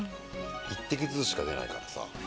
１滴ずつしか出ないからさ。